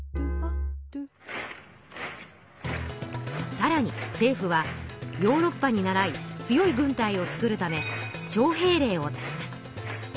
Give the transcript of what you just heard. さらに政府はヨーロッパにならい強い軍隊を作るため徴兵令を出します。